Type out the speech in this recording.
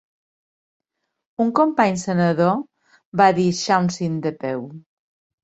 Un company senador, va dir Chauncey Depew.